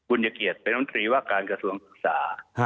คุณยเกียรติเป็นมันตรีว่าการกระทรวงศึกษา